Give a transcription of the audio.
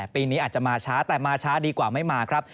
ปีนี้อาจจะมาช้าแต่มาช้าดีกว่าไม่มาครับ